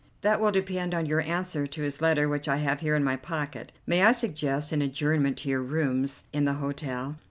"That will depend on your answer to his letter which I have here in my pocket. May I suggest an adjournment to your rooms in the hotel?"